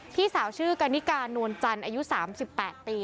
พี่สาวชื่อกันนิกานวลจันทร์อายุ๓๘ปี